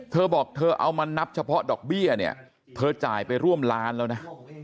เธอบอกเธอเอามานับเฉพาะดอกเบี้ยเนี่ยเธอจ่ายไปร่วมล้านแล้วนะ